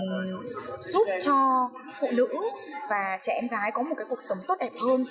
giúp cho phụ nữ và trẻ em gái có một cuộc sống tốt đẹp hơn